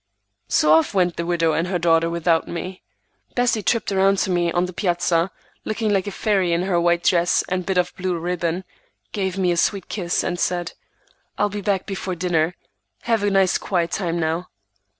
So off went the widow and her daughter without me. Bessie tripped around to me on the piazza, looking like a fairy in her white dress and bit of blue ribbon, gave me a sweet kiss, and said, "I'll be back before dinner. Have a nice quiet time, now."